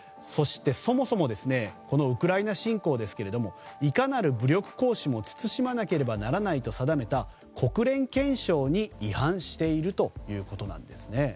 そして、そもそもウクライナ侵攻ですがいかなる武力行使も慎まなければならないと定めた国連憲章に違反しているということなんですね。